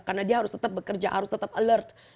karena dia harus tetap bekerja harus tetap alert